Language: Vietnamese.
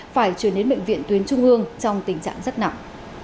phải chuyển đến bệnh viện tuyến trung ương trong tình trạng rất nặng